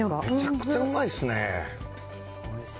めちゃくちゃうまいですね。